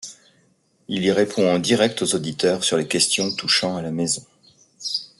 Il y répond en direct aux auditeurs sur les questions touchant à la maison.